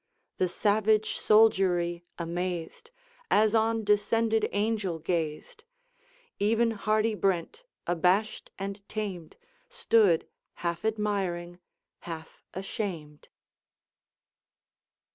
The savage soldiery, amazed, As on descended angel gazed; Even hardy Brent, abashed and tamed, Stood half admiring, half ashamed.